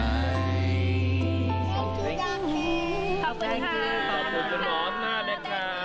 แผลที่อยู่ในใจ